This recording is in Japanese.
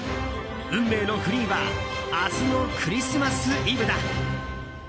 運命のフリーは明日のクリスマスイブだ。